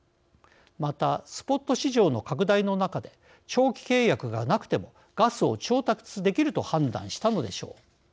また、スポット市場の拡大の中で長期契約がなくてもガスを調達できると判断したのでしょう。